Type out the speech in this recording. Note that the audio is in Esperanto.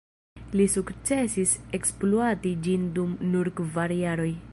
Li sukcesis ekspluati ĝin dum nur kvar jaroj.